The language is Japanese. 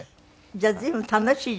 じゃあ随分楽しい人生ね。